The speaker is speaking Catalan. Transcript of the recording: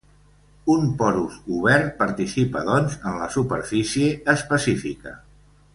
Un porus obert participa, doncs, en la superfície específica.